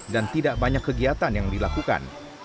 dan tidak banyak kegiatan yang dilakukan